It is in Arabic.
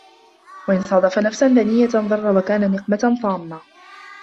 وَإِنْ صَادَفَ نَفْسًا دَنِيَّةً ضَرَّ وَكَانَ نِقْمَةً طَامَّةً